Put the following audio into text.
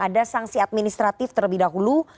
ada sanksi administratif terlebih dahulu